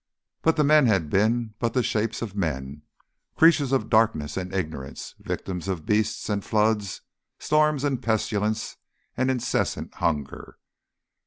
But the men had been but the shapes of men, creatures of darkness and ignorance, victims of beasts and floods, storms and pestilence and incessant hunger.